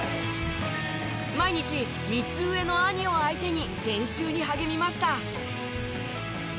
毎日３つ上の兄を相手に練習に励みました。